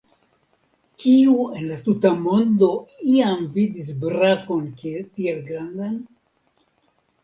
Kiu en la tuta mondo iam vidis brakon tiel grandan?